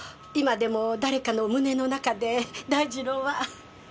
今でも誰かの胸の中で大二郎は。